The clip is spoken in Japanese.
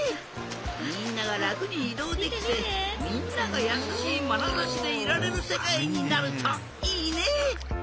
みんながらくにいどうできてみんながやさしいまなざしでいられるせかいになるといいね。